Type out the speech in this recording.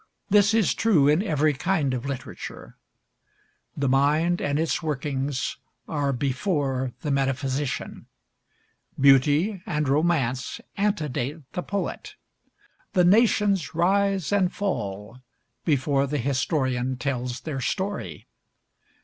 This is true in every kind of literature. The mind and its workings are before the metaphysician. Beauty and romance antedate the poet. The nations rise and fall before the historian tells their story.